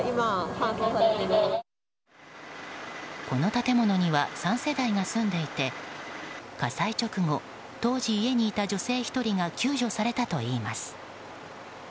この建物には３世帯が住んでいて火災直後当時、家にいた女性１人が救助されたといいます。